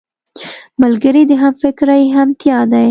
ملګری د همفکرۍ همتيا دی